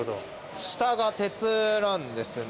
下が鉄なんですね。